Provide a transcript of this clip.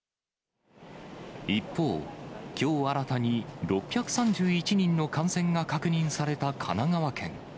一方、きょう新たに６３１人の感染が確認された神奈川県。